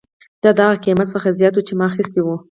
دا د هغه قیمت څخه زیات و چې ما اخیستی و